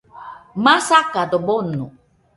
Masakado bono